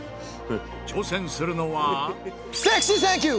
挑戦するのは。